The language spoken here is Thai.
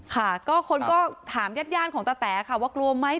ค่ะคนก็ถามยาดของตะแตว่ากลัวไหม